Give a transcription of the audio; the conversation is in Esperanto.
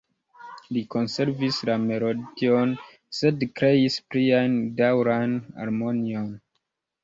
Li konservis la melodion, sed kreis plian daŭran harmonion.